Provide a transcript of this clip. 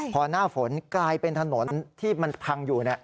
พอหน้าฝนกลายเป็นถนนที่มันพังอยู่